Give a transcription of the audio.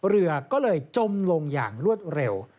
เรือก็เลยจมลงอย่างรวดเร็ว